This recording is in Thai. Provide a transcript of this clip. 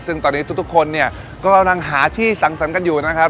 ซึ่งตอนนี้ทุกคนเนี่ยก็กำลังหาที่สังสรรค์กันอยู่นะครับ